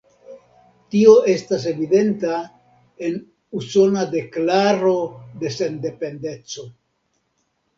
Tio estas evidenta en "Usona Deklaro de Sendependeco".